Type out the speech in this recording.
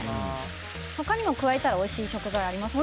他にも加えたらおいしい食材はありますか？